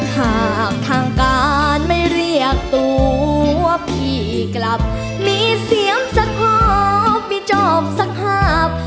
หากทางการไม่เรียกตัวว่าพี่กลับมีเสียงสักขอมีจอบสักภาพ